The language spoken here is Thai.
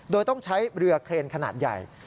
โดยต้องใช้เรือเครนขนาดใหญ่